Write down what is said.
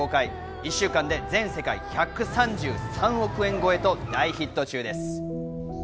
１週間で全世界１３３億円超えと大ヒット中です。